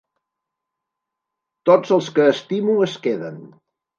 Tots els que estimo, es queden.